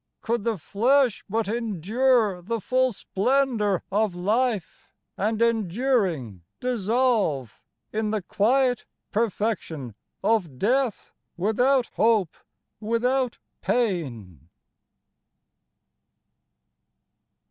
could the flesh but endure the full splendour of life and enduring Dissolve in the quiet perfection of death, without hope, without pain